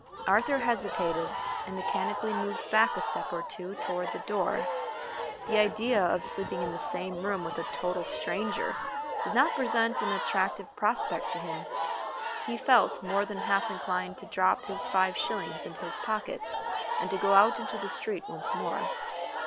Arthur hesitated, and mechanically moved back a step or two toward the door. The idea of sleeping in the same room with a total stranger did not present an attractive prospect to him. He felt more than half inclined to drop his five shillings into his pocket and to go out into the street once more.